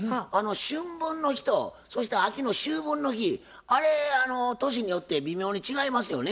春分の日とそして秋の秋分の日あれ年によって微妙に違いますよね。